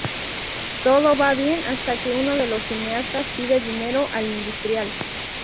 Todo va bien hasta que uno de los cineastas pide dinero al industrial.